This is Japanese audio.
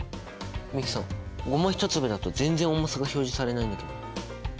美樹さんゴマ１粒だと全然重さが表示されないんだけど。